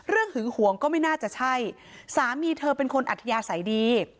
หึงหวงก็ไม่น่าจะใช่สามีเธอเป็นคนอัธยาศัยดี